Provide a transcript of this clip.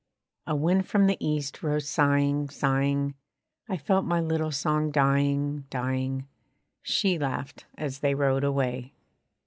A wind from the east rose, sighing, sighing, I felt my little song dying, dying, She laughed as they rode away.